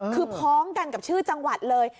คือพร้อมกันกับชื่อจังหวัดเลย